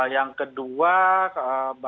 yang kedua kami memberi penjelasan